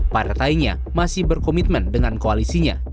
partainya masih berkomitmen dengan koalisinya